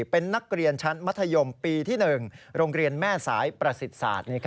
เป็นนักเรียนชั้นมัธยมปีที่๑โรงเรียนแม่สายประสิทธิ์ศาสตร์